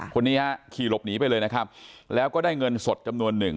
คนนี้ฮะขี่หลบหนีไปเลยนะครับแล้วก็ได้เงินสดจำนวนหนึ่ง